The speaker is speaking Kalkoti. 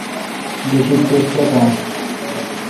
گہ شید کس ٹاکان۔